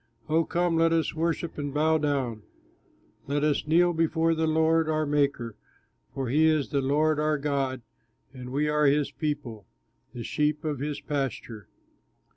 Oh come, let us worship and bow down, Let us kneel before the Lord, our Maker; For he is the Lord our God, And we are his people, the sheep of his pasture.